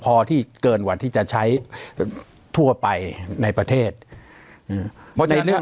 พอที่เกินกว่าที่จะใช้ทั่วไปในประเทศอืมเพราะฉะนั้นเรื่อง